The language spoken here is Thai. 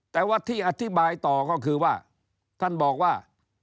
แต่ว่าที่อธิบายต่อก็คือว่าท่านบอกว่า